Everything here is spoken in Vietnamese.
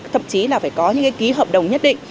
thậm chí là phải có những cái ký hợp đồng nhất định